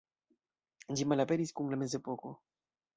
Ĝi malaperis kun la mezepoko.